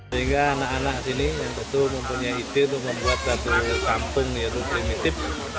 sehingga anak anak sini yang betul mempunyai ide untuk membuat satu kampung yaitu primitif